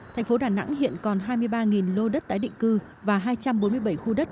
thành phố đà nẵng hiện còn hai mươi ba lô đất tái định cư và hai trăm bốn mươi bảy khu đất